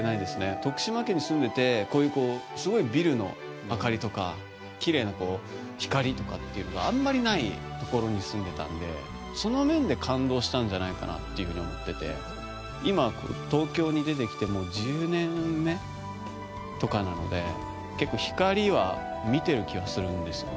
徳島県に住んでて、こういうすごいビルの明かりとかきれいな光とかというのがあんまりないところに住んでたんでその面で感動したんじゃないかなっていうふうに思ってて今、東京に出てきてもう１０年目とかなので結構、光は見てる気はするんですよね。